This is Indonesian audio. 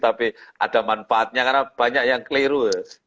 tapi ada manfaatnya karena banyak yang keliru